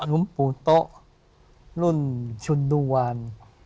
หลวงปู่โต๊ะรุ่นชุนดุวาน